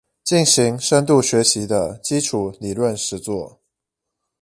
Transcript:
進行深度學習的基礎理論實作